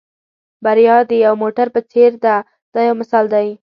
بریا د یو موټر په څېر ده دا یو مثال دی.